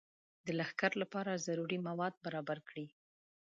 د لښکر لپاره ضروري مواد برابر کړي.